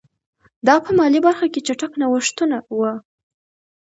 دا په مالي برخه کې چټک نوښتونه وو